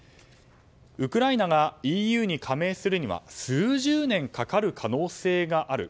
ウクライナがＥＵに加盟するには数十年かかる可能性がある。